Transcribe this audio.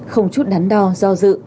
không chút đắn đo do dự